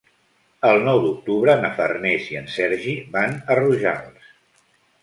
El nou d'octubre na Farners i en Sergi van a Rojals.